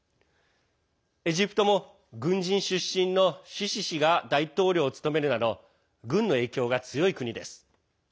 エジプトも軍人出身のシシ氏が大統領を務めるなど軍の影響が強い国です。